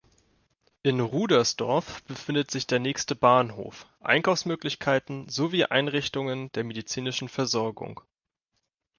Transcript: In Rudersdorf befindet sich der nächste Bahnhof, Einkaufsmöglichkeiten sowie Einrichtungen der medizinischen Versorgung.